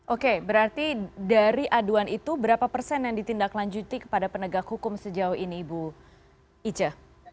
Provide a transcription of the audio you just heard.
oke berarti dari aduan itu berapa persen yang ditindaklanjuti kepada penegak hukum sejauh ini ibu ica